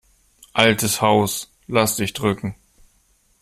Altes Haus, lass dich drücken!